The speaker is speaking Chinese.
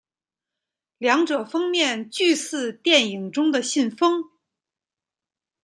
两者封面俱似电影中的信封。